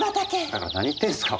だから何言ってんすか？